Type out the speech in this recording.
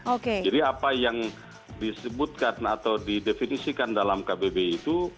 oke jadi apa yang disebutkan atau didefinisikan dalam kbb itu